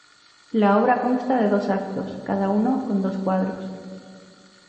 La obra consta de dos actos, cada uno con dos cuadros.